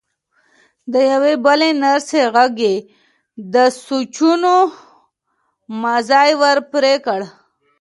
د يوې بلې نرسې غږ يې د سوچونو مزی ور پرې کړ.